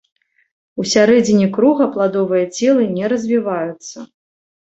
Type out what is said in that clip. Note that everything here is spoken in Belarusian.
У сярэдзіне круга пладовыя целы не развіваюцца.